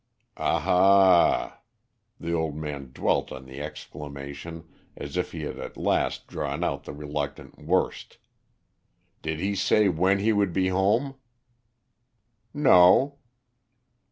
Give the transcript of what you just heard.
"Ah h h!" The old man dwelt on the exclamation as if he had at last drawn out the reluctant worst. "Did he say when he would be home?" "No."